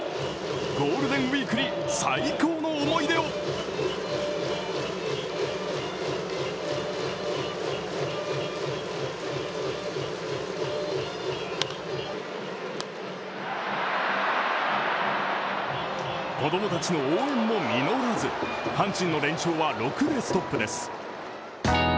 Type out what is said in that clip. ゴールデンウィークに最高の思い出を子供たちの応援も実らず、阪神の連勝は６でストップです。